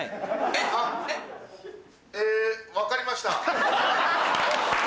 えっ？え分かりました。